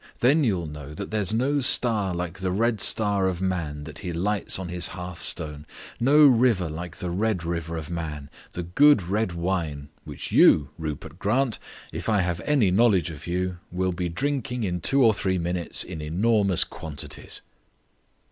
Then you'll know that there's no star like the red star of man that he lights on his hearthstone; no river like the red river of man, the good red wine, which you, Mr Rupert Grant, if I have any knowledge of you, will be drinking in two or three minutes in enormous quantities."